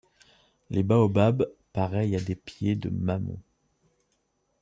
Les baobabs pareils à des pieds de mammons